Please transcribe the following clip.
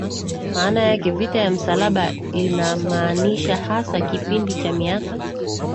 maana yake Vita vya Msalaba linamaanisha hasa kipindi cha miaka